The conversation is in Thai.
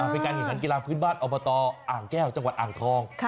เป็นการเห็นการกีฬาพื้นบ้านออกมาต่ออ่างแก้วจังหวัดอ่างทอง